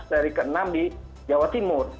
seri keenam di jawa timur